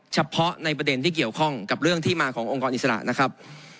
เฉพาะในประเด็นที่เกี่ยวข้องกับเรื่องที่มาขององค์กรอิสระนะครับ